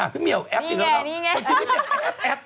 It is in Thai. พี่เมียวแอปอีกแล้ว